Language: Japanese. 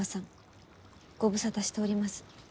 ご無沙汰しております。